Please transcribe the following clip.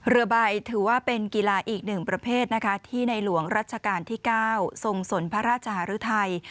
เรือใบถือว่าเป็นกีฬาอีกหนึ่งประเภทนะคะที่ในหลวงรัชกาลที่๙ทรงสนพระราชหารุทัย